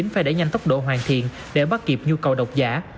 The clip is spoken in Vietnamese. phải đẩy nhanh tốc độ hoàn thiện để bắt kịp nhu cầu đọc giả